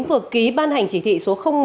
vừa ký ban hành chỉ thị số một